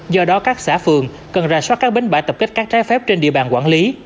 do đó các xã phường cần ra soát các bến bãi tập kết các trái phép trên địa bàn quản lý